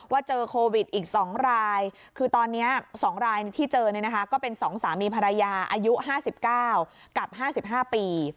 เจอโควิดอีก๒รายคือตอนนี้๒รายที่เจอเนี่ยนะคะก็เป็น๒สามีภรรยาอายุ๕๙กับ๕๕ปี